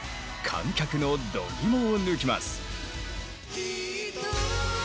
観客の度肝を抜きます。